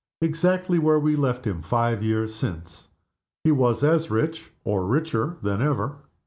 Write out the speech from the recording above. Exactly where we left him five years since. He was as rich, or richer, than ever.